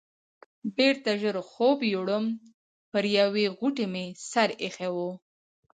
بېرته ژر خوب یووړم، پر یوې غوټې مې سر ایښی و.